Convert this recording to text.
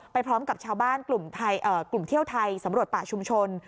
ไปพร้อมกับชาวบ้านกลุ่มเที่ยวไทยสำรวจป่าชุมชน